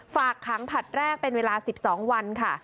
ฝากขังผลัดแรกเป็นเวลา๑๒วันค่ะ